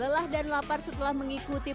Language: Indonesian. lelah dan lapar setelah mengikuti